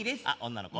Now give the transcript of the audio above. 女の子？